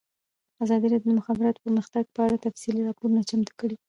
ازادي راډیو د د مخابراتو پرمختګ په اړه تفصیلي راپور چمتو کړی.